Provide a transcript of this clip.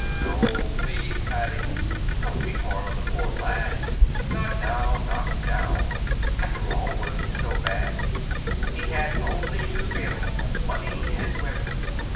B. B. No, please, Paddy: dont be hard on the poor lad. Not now, not now. After all, was he so bad? He had only two failings: money and women.